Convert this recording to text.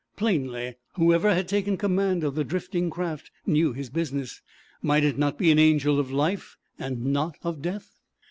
Plainly, whoever had taken command of the drifting craft knew his business; might it not be an angel of life, and not of death?